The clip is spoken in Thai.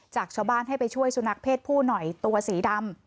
จากชาวบ้านให้ไปช่วยสุนัขเพศผู้หน่อยตัวสีดำ